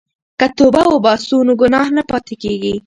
که توبه وباسو نو ګناه نه پاتې کیږي.